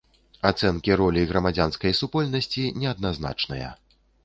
Ацэнкі ролі грамадзянскай супольнасці неадназначныя.